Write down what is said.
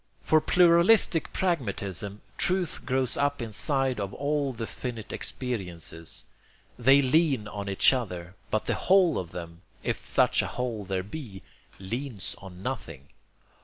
For pluralistic pragmatism, truth grows up inside of all the finite experiences. They lean on each other, but the whole of them, if such a whole there be, leans on nothing.